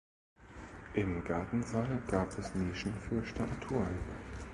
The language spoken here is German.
Im Gartensaal gab es Nischen für Statuen.